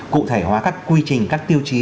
cụ thể hóa các quy trình các tiêu chí